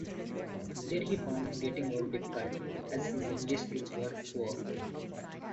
There he found getting work difficult as his English skills were poor.